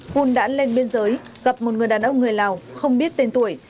hun đã lên biên giới gặp một người đàn ông người lào không biết tên tuổi